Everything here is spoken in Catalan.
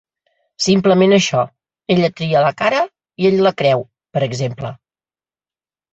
Simplement això: «ella tria la cara i ell la creu», per exemple.